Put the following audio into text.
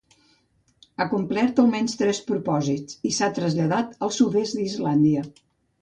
Ha complert almenys tres propòsits i s'ha traslladat al sud-est d'Islàndia.